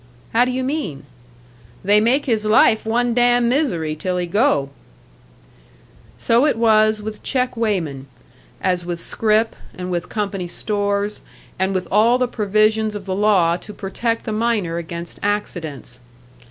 "How do you mean?" "They make his life one damn misery till he go." So it was with check weighman as with scrip, and with company stores, and with all the provisions of the law to protect the miner against accidents.